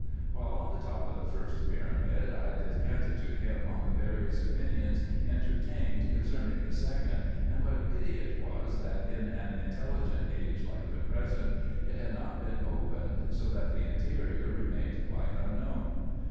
Wliile on the top of the first pyramid, I descanted to him on the various opinions entertained concerning the second, and what a pity it was, that, in an intelligent age like the present, it had not been opened, so that the interior remained quite unknown.